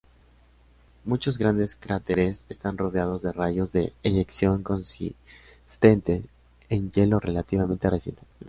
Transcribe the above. Muchos grandes cráteres están rodeados de rayos de eyección consistentes en hielo relativamente reciente.